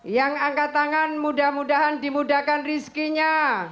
yang angkat tangan mudah mudahan dimudahkan rizkinya